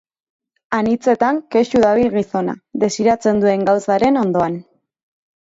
Anitzetan kexu dabil gizona, desiratzen duen gauzaren ondoan.